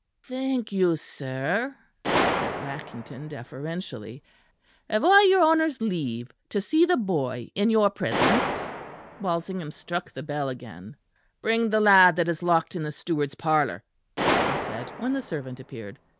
"Thank you, sir," said Lackington deferentially. "Have I your honour's leave to see the boy in your presence?" Walsingham struck the bell again. "Bring the lad that is locked in the steward's parlour," he said, when the servant appeared.